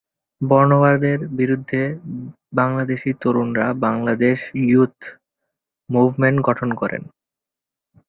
বর্ণবাদের বিরুদ্ধে বাংলাদেশী তরুণরা Bangladesh youth movement গঠন করেন।